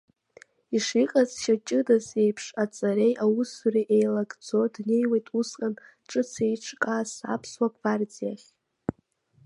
Ишиҟазшьа ҷыдаз еиԥш аҵареи аусуреи еилагӡо днеиуеит усҟан ҿыц еиҿкааз аԥсуа гвардиахь.